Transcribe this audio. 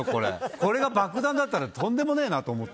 これが爆弾だったら、とんでもないなと思って。